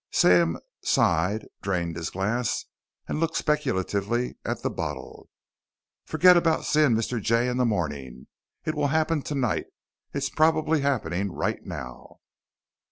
Sam sighed, drained his glass, and looked speculatively at the bottle. "Forget about seeing Mr. Jay in the morning. It will happen tonight. It's probably happening right now."